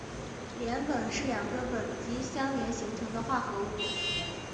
联苯是两个苯基相连形成的化合物。